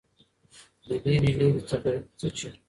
د ليري، ليري څه چي